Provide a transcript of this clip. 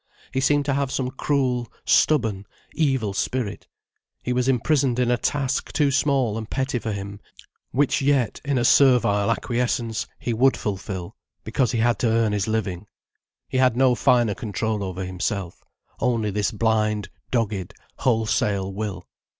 He seemed to have some cruel, stubborn, evil spirit, he was imprisoned in a task too small and petty for him, which yet, in a servile acquiescence, he would fulfil, because he had to earn his living. He had no finer control over himself, only this blind, dogged, wholesale will.